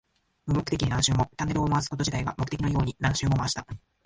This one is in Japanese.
無目的に何周も。チャンネルを回すこと自体が目的のように何周も回した。